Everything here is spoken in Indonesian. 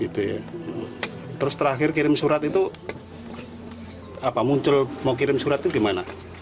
terus terakhir kirim surat itu muncul mau kirim surat itu gimana